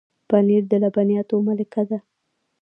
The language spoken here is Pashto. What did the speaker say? پنېر د لبنیاتو ملکه ده.